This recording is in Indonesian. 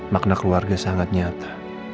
makna keluarga sangat nyata